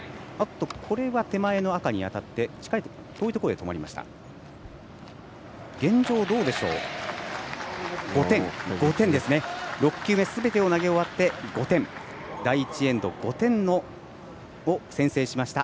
これは手前の赤に当たって遠いところで止まった。